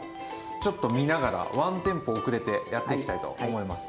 ちょっと見ながらワンテンポ遅れてやっていきたいと思います。